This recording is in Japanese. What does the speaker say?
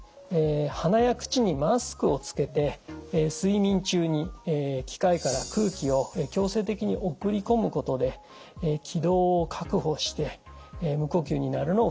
鼻や口にマスクをつけて睡眠中に機械から空気を強制的に送り込むことで気道を確保して無呼吸になるのを防ぐというような治療法です。